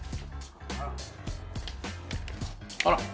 あら！